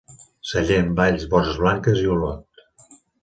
Sallent, Valls, Borges Blanques i Olot.